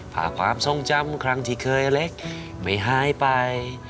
พาความทรงจำครั้งที่เคยเล็กไม่หายไป